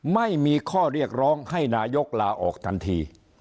ไม่มีข้อเรียกร้องให้นายกลาออกทันที